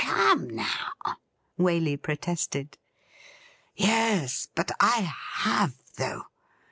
Oh, come now,' Waley protested. ' Yes, but I have, though.